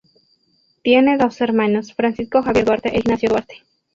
Tiene dos hermanos, Francisco Javier Duarte e Ignacio Duarte.